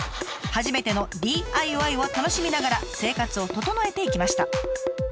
初めてのＤＩＹを楽しみながら生活を整えていきました。